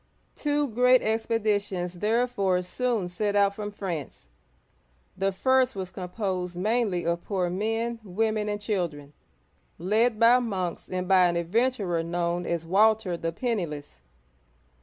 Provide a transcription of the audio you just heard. Two great expeditions therefore soon set out from France. The first was composed mainly of poor men, women, and children, led by monks and by an adventurer known as Walter the Penniless.